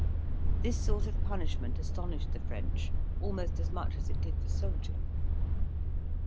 This sort of punishment astonished the French almost as much as it did the soldier.